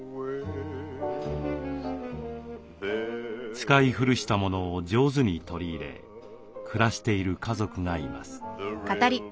使い古したものを上手に取り入れ暮らしている家族がいます。